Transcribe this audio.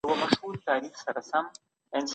هغه کيسه چي خلګو کوله یوه افسانه وه.